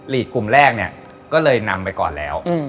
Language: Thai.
ลีดกลุ่มแรกก็เลยนำไปก่อนแล้ว